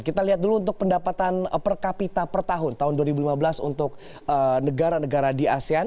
kita lihat dulu untuk pendapatan per kapita per tahun tahun dua ribu lima belas untuk negara negara di asean